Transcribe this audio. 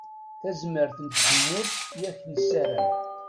D tazmert n tzemmurt i ak-nessaram.